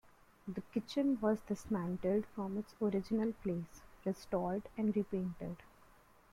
The kitchen was dismantled from its original place, restored and repainted.